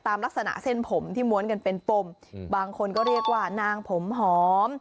ลักษณะเส้นผมที่ม้วนกันเป็นปมบางคนก็เรียกว่านางผมหอม